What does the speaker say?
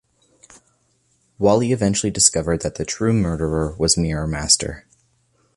Wally eventually discovered that the true murderer was Mirror Master.